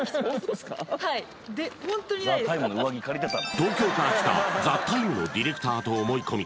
東京から来た「ＴＨＥＴＩＭＥ，」のディレクターと思い込み